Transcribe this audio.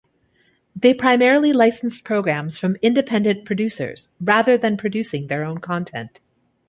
They primarily licensed programs from independent producers, rather than producing their own content.